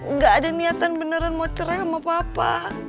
nggak ada niatan beneran mau cera sama papa